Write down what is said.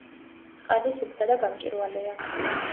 წყალი სუფთა და გამჭვირვალეა.